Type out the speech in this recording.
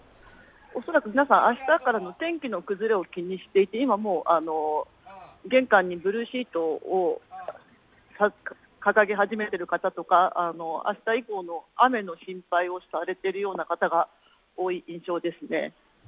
恐らく明日からの天気の崩れを気にしていて、今もう玄関にブルーシートを掲げ始めている方とか明日以降の雨の心配をされている方が多い印象ですね。